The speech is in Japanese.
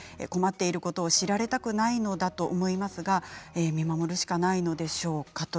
困っていることを知られたくないのだと思いますが見守るしかないのでしょうか。